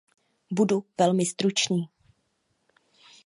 Budu velmi stručný.